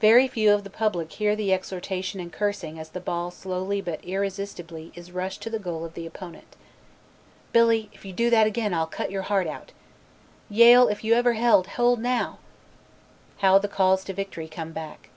Very few of the public hear the exhortation and cursing as the ball slowly but irresistibly is rushed to the goal of the opponent. "Billy, if you do that again I'll cut your heart out!" "Yale, if you ever held, hold now!" How the calls to victory come back!